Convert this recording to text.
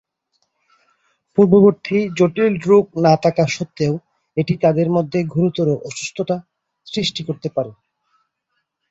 পূর্ববর্তী জটিল রোগ না থাকা সত্ত্বেও এটি তাদের মধ্যে গুরুতর অসুস্থতা সৃষ্টি করতে পারে।